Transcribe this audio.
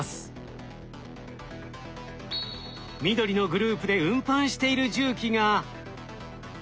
緑のグループで運搬している重機が。